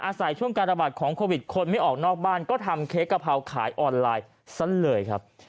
อาศัยช่วงการระบาดของโควิดคนไม่ออกนอกบ้านก็ทำเค้กกะเพราขายออนไลน์ซะเลยครับ